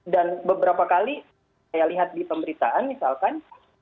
dan beberapa kali saya lihat di pemerintahan misalkan